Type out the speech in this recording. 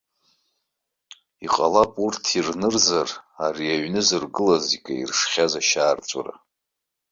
Иҟалап урҭ ирнырзар ари аҩны зыргылаз икаиршхьаз ашьаарҵәыра.